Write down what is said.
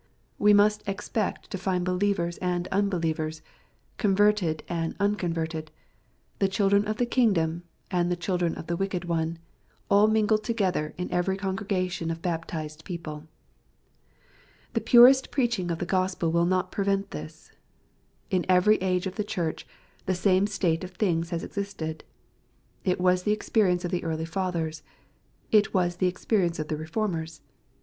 We must expect to find believers and unbelievers, converted and unconverted, '^ the children of the king* dom, and the children of the wicked one/' all mingled together in every congregation of baptized people. The purest preaching of the Gospel will not prevent this. In every age of the Church, the same state of things has existed. It was the experience of the early Fathers. It was the experience of the Reformers.